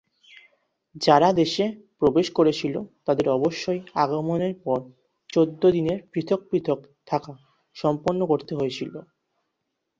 যারা দেশে প্রবেশ করেছিল তাদের অবশ্যই আগমনের পরে চৌদ্দ দিনের পৃথক পৃথক থাকা সম্পন্ন করতে হয়েছিল।